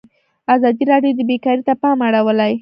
ازادي راډیو د بیکاري ته پام اړولی.